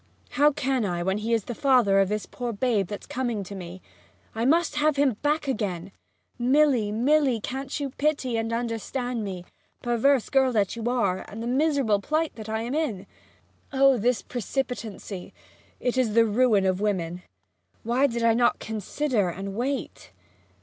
How can I, when he is the father of this poor babe that's coming to me? I must have him back again! Milly, Milly, can't you pity and understand me, perverse girl that you are, and the miserable plight that I am in? Oh, this precipitancy it is the ruin of women! Why did I not consider, and wait!